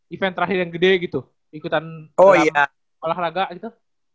event terakhir yang gede gitu ikutan olahraga gitu